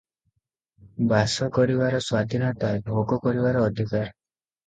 ବାସ କରିବାର ସ୍ୱାଧୀନତା ଭୋଗ କରିବାର ଅଧିକାର ।